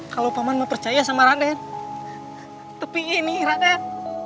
kalau paman mempercaya sama raden tepi ini raden